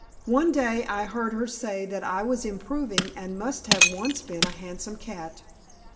One day I heard her say that I was improving and must have once been a handsome cat.